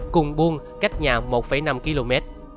cùng buôn cách nhà một năm km